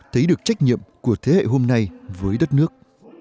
thấy được trách nhiệm của thế hệ hôm nay với đất nước